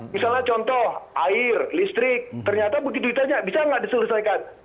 misalnya contoh air listrik ternyata begitu ditanya bisa nggak diselesaikan